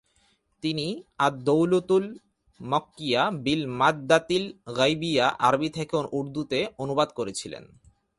তিনি আদ দৌলতুল মক্কিয়া বিল মাদ'দাতিল গাইবিয়া আরবী থেকে উর্দুতে অনুবাদ করেছিলেন।